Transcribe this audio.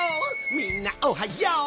みんなおはよう！